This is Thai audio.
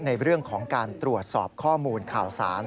ในเรื่องของการตรวจสอบข้อมูลข่าวสาร